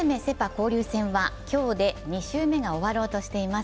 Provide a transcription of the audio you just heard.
交流戦は今日で２週目が終わろうとしています。